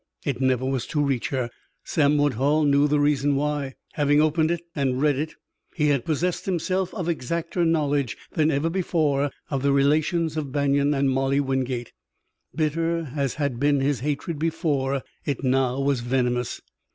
It never was to reach her. Sam Woodhull knew the reason why. Having opened it and read it, he had possessed himself of exacter knowledge than ever before of the relations of Banion and Molly Wingate. Bitter as had been his hatred before, it now was venomous.